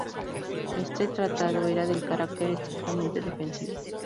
Este tratado era de carácter estrictamente defensivo.